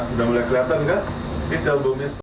ini lepas sudah mulai kelihatan kan